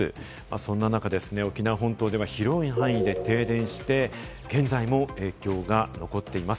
そんな中ですね、沖縄本島では広い範囲で停電して、現在も影響が残っています。